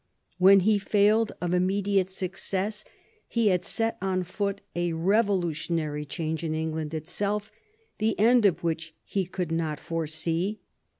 When he failed of immediate success, he had set on foot a revolutionary change in England itself, the end of which he could not foresee.